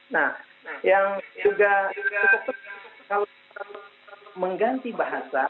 nah yang juga cukup cukup kalau kita mengganti bahasa